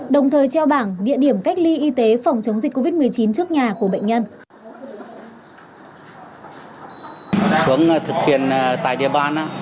đồng thời treo bảng địa điểm cách ly y tế phòng chống dịch covid một mươi chín trước nhà của bệnh nhân